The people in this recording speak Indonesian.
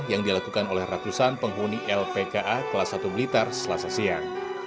yang dilakukan oleh ratusan penghuni lpka kelas satu blitar selasa siang